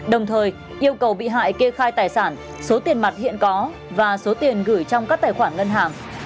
đồng thời yêu cầu bị hại kê khai tài sản số tiền mặt hiện có và số tiền gửi trong các tài khoản ngân hàng